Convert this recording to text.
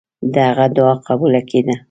د هغه دعا قبوله کېده.